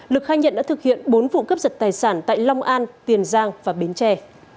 lực khai nhận đã thực hiện bốn vụ cướp giật tài sản tại long an tiền giang và bến tre